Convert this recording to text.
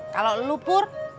kalau elu pur